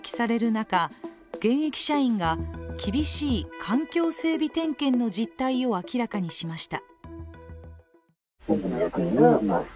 中現役社員が厳しい環境整備点検の実態を明らかにしました。